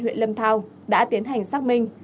huyện lâm thao đã tiến hành xác minh